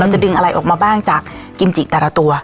จะดึงอะไรออกมาบ้างจากกิมจิแต่ละตัว